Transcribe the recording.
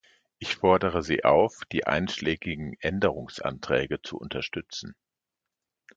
Ich fordere Sie auf, die einschlägigen Änderungsanträge zu unterstützen.